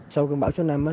sau cơn bão số năm